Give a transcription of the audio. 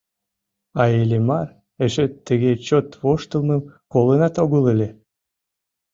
А Иллимар эше тыге чот воштылмым колынат огыл ыле.